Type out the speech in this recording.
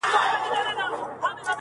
چي زه او ته راضي، ښځه غيم د قاضي.